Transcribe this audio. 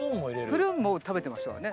プルーンも食べてましたからね